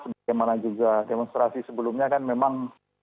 sebagaimana juga demonstrasi sebelumnya kan memang